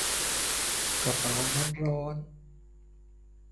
กระเป๋าน้ำร้อน